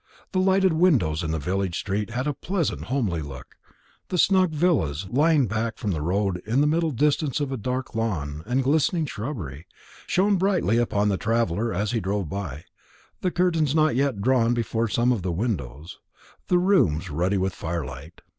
The lighted windows in the village street had a pleasant homely look; the snug villas, lying back from the high road with a middle distance of dark lawn and glistening shrubbery, shone brightly upon the traveller as he drove by, the curtains not yet drawn before some of the windows, the rooms ruddy in the firelight.